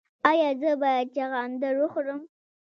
ایا زه باید چغندر وخورم؟